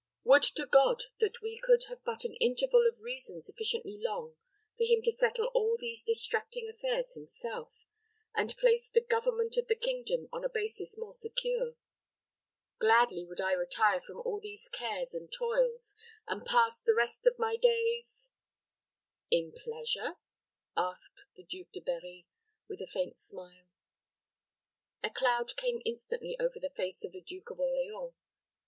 Would to God that we could but have an interval of reason sufficiently long for him to settle all these distracting affairs himself, and place the government of the kingdom on a basis more secure. Gladly would I retire from all these cares and toils, and pass the rest of my days " "In pleasure?" asked the Duke de Berri, with a faint smile. A cloud came instantly over the face of the Duke of Orleans.